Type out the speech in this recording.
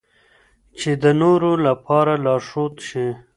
چې د نورو لپاره لارښود شي.